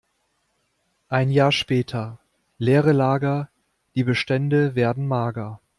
Ein Jahr später: Leere Lager, die Bestände werden mager.